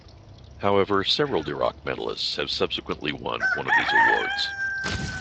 However, several Dirac Medallists have subsequently won one of these awards.